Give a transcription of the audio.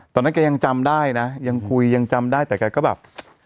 ตอนนั้นแกยังจำได้นะยังคุยยังจำได้แต่แกก็แบบ